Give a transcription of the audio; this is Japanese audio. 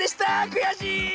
くやしい！